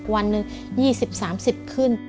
วันนึง๒๐๓๐บาทขึ้น